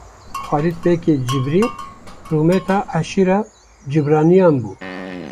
Xalid begê cibrî rûmeta eşîra cibraniyan bû.